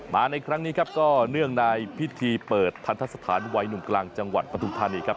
มาในครั้งนี้ก็เนื่องในพิธีเปิดทัศนสถานวัยหนุ่มกลางจังหวัดประถุธรรมนี้ครับ